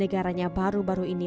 negaranya baru baru ini